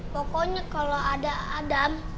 pokoknya kalau ada adam